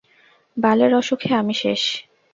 বালের অসুখে আমি শেষ।